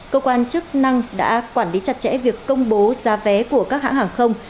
cơ quan chức năng đã quản lý chặt chẽ việc công bố giá vé của các hãng hàng không